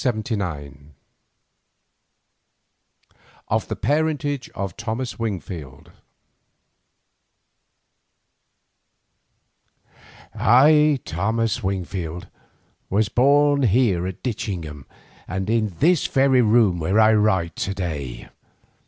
CHAPTER II OF THE PARENTAGE OF THOMAS WINGFIELD I, Thomas Wingfield, was born here at Ditchingham, and in this very room where I write to day.